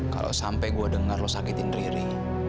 kalau sampai gue dengar lo sakitin riri